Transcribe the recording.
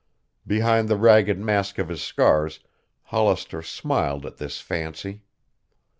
Behind the ragged mask of his scars Hollister smiled at this fancy.